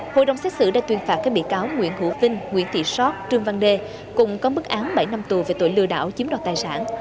hội đồng xét xử đã tuyên phạt các bị cáo nguyễn hữu vinh nguyễn thị xót trương văn đê cùng có mức án bảy năm tù về tội lừa đảo chiếm đoạt tài sản